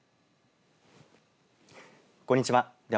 こんにちは。